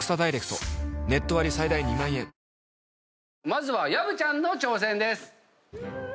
まずは薮ちゃんの挑戦です。